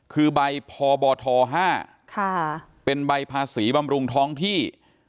คือใบพบท๕เป็นใบภาษีบำรุงท้องที่